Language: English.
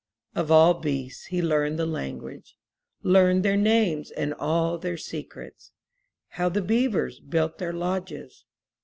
'* Of all beasts he learned the language, Learned their names and all their secrets, How the beavers built their lodges.